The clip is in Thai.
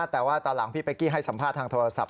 แต่ว่าตอนหลังพี่เป๊กกี้ให้สัมภาษณ์ทางโทรศัพท์